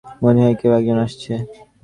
মনে হয়, কেউ একজন আসছে!